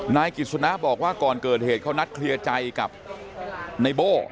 นายกิจสนะบอกว่าก่อนเกิดเหตุเขานัดเคลียร์ใจกับไนโบ้